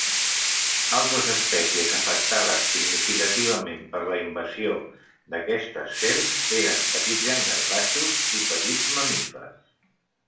Altres espècies afectades significativament per la invasió d'aquestes serps eren petits llangardaixos i petits mamífers.